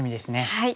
はい。